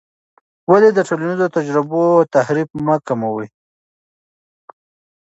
ولې د ټولنیزو تجربو تحریف مه کوې؟